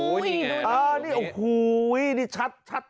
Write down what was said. โอ้โฮนี่แก่นี่โอ้โฮนี่ชัด